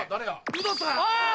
ウドさん！